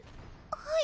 はい。